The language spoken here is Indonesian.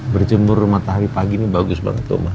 berjemur matahari pagi ini bagus banget toma